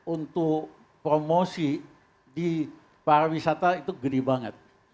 untuk promosi di para wisata itu gede banget